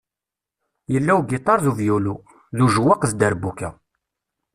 Yella ugiṭar d uvyulu, d ujawaq d dderbuka.